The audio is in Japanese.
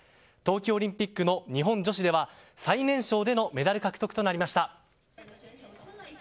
冬季オリンピックの日本女子では最年少でのメダル獲得となりました。